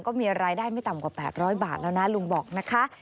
ก็มีรายได้ไม่ต่ำกว่า๘๐๐บาทแล้วนะลุงบอกนะคะ